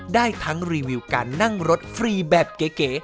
ได้ทั้งรีวิวการนั่งรถฟรีแบบเก๋